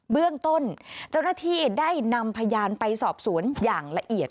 เบื้องต้นเจ้าหน้าที่ได้นำพยานไปสอบสวนอย่างละเอียด